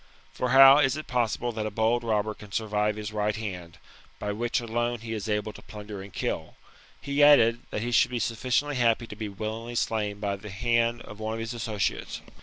For how is it possible that a bold robber can survive his right hand, by which alone he is able to plunder and kill 1 He added, that he should be sufficiently happy to be willingly slain by the hand of one of his associates.